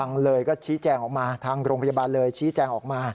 นี่ทางโรงพยาบาลเลยชี้แจ้งออกมา